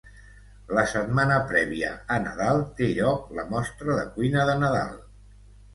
La setmana prèvia a Nadal, té lloc la Mostra de Cuina de Nadal.